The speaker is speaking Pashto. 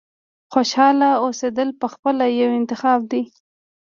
• خوشحاله اوسېدل پخپله یو انتخاب دی.